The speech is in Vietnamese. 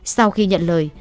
sau khi nhận lời